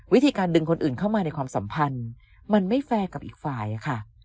วิธีการดึงคนอื่นเข้ามาในความสัมพันธ์มันไม่แฟร์กับอีกฝ่ายค่ะ